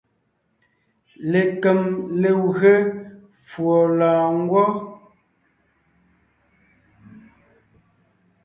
Lekem legwé fùɔ lɔ̀ɔngwɔ́.